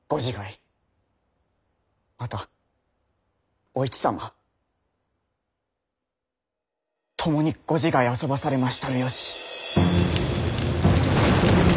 またお市様共にご自害あそばされましたる由。